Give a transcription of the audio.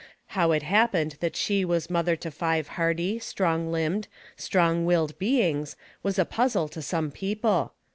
How it happened that ahe was mother to five hearty, strong limbed, strong willed beings was a puzzle to some people.